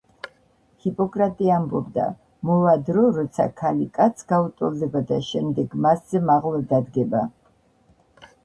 ჰიპოკრატე ამბობდა მოვა დრო როცა ქალი კაცს გაუტოლდება და შემდეგ მასზე მაღლა დადგება